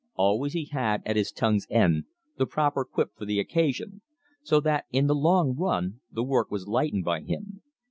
Always he had at his tongue's end the proper quip for the occasion, so that in the long run the work was lightened by him.